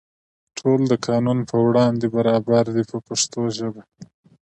ټول د قانون په وړاندې برابر دي په پښتو ژبه.